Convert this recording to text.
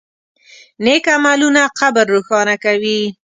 نیک عملونه قبر روښانه کوي.